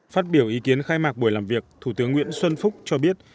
phát biểu ý kiến khai mạc buổi làm việc thủ tướng nguyễn xuân phúc cho biết